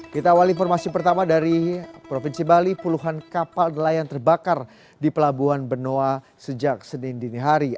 kita awal informasi pertama dari provinsi bali puluhan kapal nelayan terbakar di pelabuhan benoa sejak senin dinihari